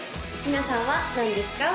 皆さんは何ですか？